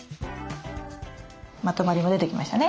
まとまりも出てきましたね。